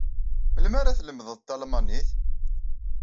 Melmi ara tlemdeḍ talmanit?